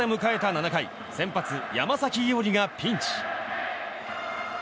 ７回先発、山崎伊織がピンチ。